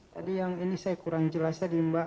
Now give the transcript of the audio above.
tadi yang ini saya kurang jelas tadi mbak